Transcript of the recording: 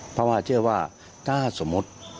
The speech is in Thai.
เพราะว่าเชื่อว่าถ้าสมมติ